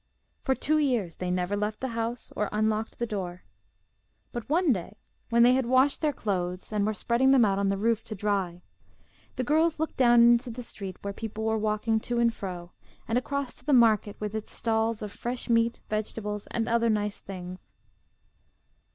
For two years they never left the house or unlocked the door; but one day, when they had washed their clothes, and were spreading them out on the roof to dry, the girls looked down into the street where people were walking to and fro, and across to the market, with its stalls of fresh meat, vegetables, and other nice things.